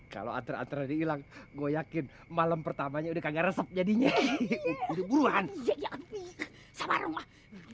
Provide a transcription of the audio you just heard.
kalau antara diilang gue yakin malam pertamanya udah kagak resep jadinya buruan sama rumah